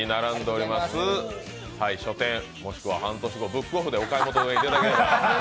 書店もしくは半年後、ブックオフで買っていただければ。